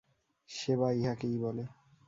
সেবা ইহাকেই বলে।